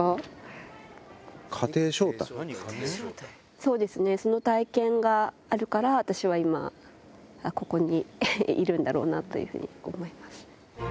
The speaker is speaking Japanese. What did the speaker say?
そうですね、その体験があるから、私は今、ここにいるんだろうなというふうに思います。